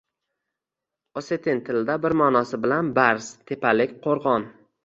Osetin tilida bir ma’nosi bilan barz «tepalik», «qo‘rg‘on».